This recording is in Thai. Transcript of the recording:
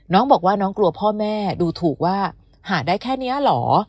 น้องบอกว่าน้องกลัวพ่อแม่ดูถูกว่าหาได้แค่นี้เหรอ